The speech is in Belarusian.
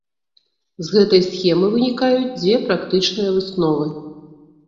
З гэтай схемы вынікаюць дзве практычныя высновы.